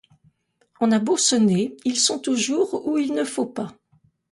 On a beau sonner, ils sont toujours où il ne faut pas.